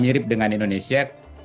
mirip dengan indonesia